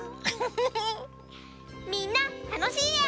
みんなたのしいえを。